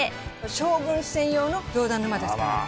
将軍専用の上段之間ですから。